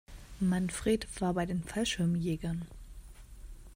Manfred war bei den Fallschirmjägern.